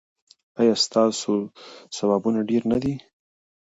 ایا ستاسو ثوابونه ډیر نه دي؟